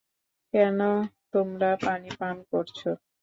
কেন তোমরা পানি পান করেছো?